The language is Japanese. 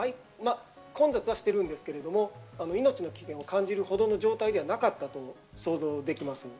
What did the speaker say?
混雑はしているんですが、命の危険を感じるほどの状態ではなかったと想像できます。